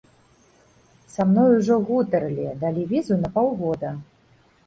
Са мной ужо гутарылі, далі візу на паўгода.